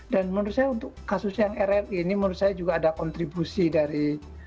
dan menurut saya untuk kasus yang rri ini menurut saya juga ada kontribusi dari